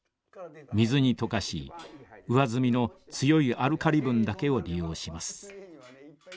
水に溶かし上澄みの強いアルカリ分だけを利用します。